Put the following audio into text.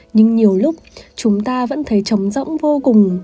nhưng nhiều lúc chúng ta vẫn thấy chống rỗng vô cùng